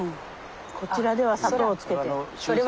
こちらでは砂糖をつけて。